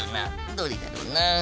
どれだろうな？